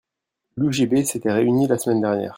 L'UGB s'était réunie la semaine dernière.